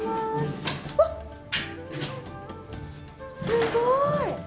すごい！